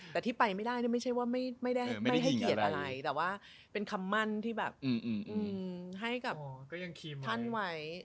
แต่ที่ไปไม่ได้ไม่ใช่ว่าไม่ได้ไม่ให้เกียรติอะไรแต่ว่าเป็นคำมั่นที่แบบให้กับท่านไว้